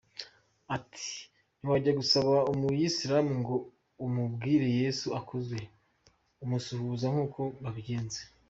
Ati “ Ntiwajya gusaba Umuyisilamu ngo umubwire Yesu akuzwe! Umusuhuza nk’uko babigenza.